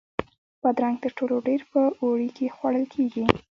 بادرنګ تر ټولو ډېر په اوړي کې خوړل کېږي.